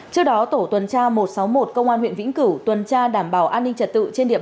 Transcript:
trước đó tổ tuần tra một trăm sáu mươi một công an huyện vĩnh cửu tuần tra đảm bảo an ninh trật tự trên địa